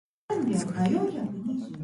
Describe. [background speech]